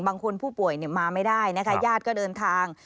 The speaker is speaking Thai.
บางคนผู้ป่วยมาไม่ได้และญาติก็เดินทาง